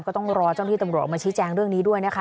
ก็ต้องรอเจ้าหน้าที่ตำรวจออกมาชี้แจงเรื่องนี้ด้วยนะคะ